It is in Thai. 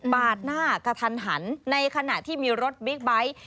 หน้ากระทันหันในขณะที่มีรถบิ๊กไบท์